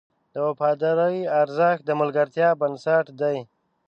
د وفادارۍ ارزښت د ملګرتیا بنسټ دی.